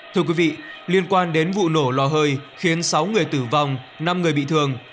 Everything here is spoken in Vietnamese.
thưa quý vị liên quan đến vụ nổ lò hơi khiến sáu người tử vong năm người bị thương